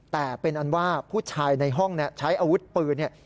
แต่เป็นอันว่าผู้ชายในห้องใช้อาวุธปืนเนี่ย